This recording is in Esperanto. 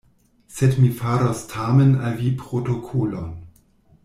Sed mi faros tamen al vi protokolon.